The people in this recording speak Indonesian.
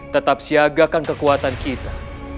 tetap siagakan kekuatan kita